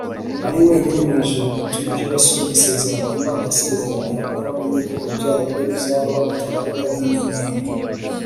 Ari wenyine mw’ijoro rituje, yasomye isezerano Imana yasezeraniye Aburahamu yuko urubyaro rwe ruzaba rutabarika nk’inyenyeri